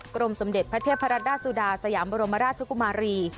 กรมสมเด็จพระเทพรัตดาสุดาสยามบรมราชกุมารี